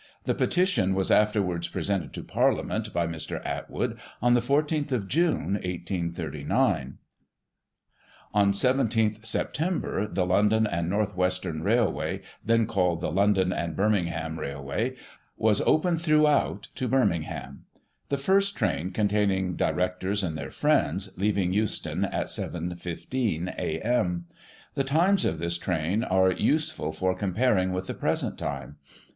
The petition was afterwards presented to Parliament by Mr. Atwood on the 14th of June, 1839. On 17th Sept the London and North Western Railway (then called the London emd Birmingham Rly.) was opened throughout to Birmingham ; the first train, containing Direc tors cind their friends, leaving Euston at 7.15 a m The times of this train are useful for comparing with the present time.